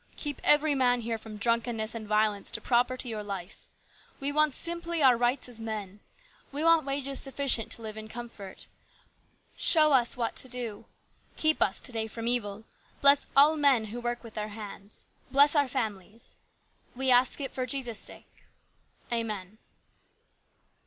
Keep every THE GREAT STRIKE. 13 man here from drunkenness and violence to property or life. We want simply our rights as men. We want wages sufficient to live in comfort. Show us what to do. Keep us to day from evil. Bless all men who work with their hands. Bless our families. We ask it for Jesus' sake. Amen."